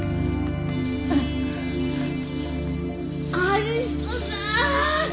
春彦さん。